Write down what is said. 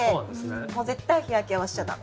もう絶対日焼けはしちゃ駄目。